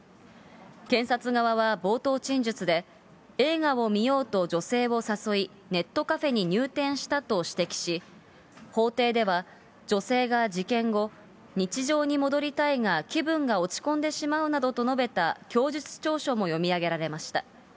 検察側は冒頭陳述で、映画を見ようと女性を誘い、ネットカフェに入店したと指摘し、法廷では、女性が事件後、日常に戻りたいが、気分が落ち込んでしまうなどと述べた供述調書も読み上げられました。